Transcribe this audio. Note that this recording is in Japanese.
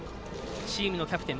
チームのキャプテン